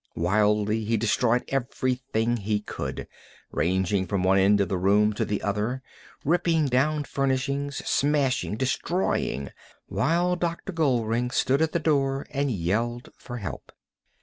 Wildly he destroyed everything he could, raging from one end of the room to the other, ripping down furnishings, smashing, destroying, while Dr. Goldring stood at the door and yelled for help.